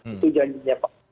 itu janjinya pak